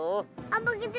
oh begitu om